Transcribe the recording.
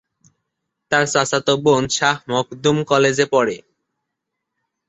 তার চাচাতো বোন শাহ মখদুম কলেজে পড়ে।